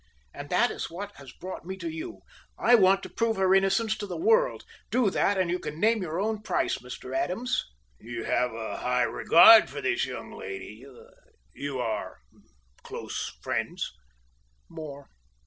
And that is what has brought me to you. I want to prove her innocence to the world. Do that, and you can name your own price, Mr. Adams." "You have a high regard for the young lady you are close friends?" "More.